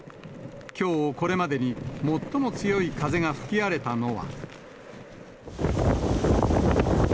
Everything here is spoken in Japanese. きょう、これまでに最も強い風が吹き荒れたのは。